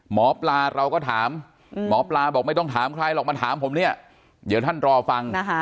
หมอปลาเราก็ถามหมอปลาบอกไม่ต้องถามใครหรอกมาถามผมเนี่ยเดี๋ยวท่านรอฟัง